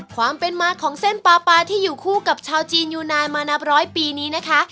ความเป็นมาของเส้นปลาปลาที่อยู่คู่กับชาวจีนยูนานมานับร้อยปีนี้นะคะ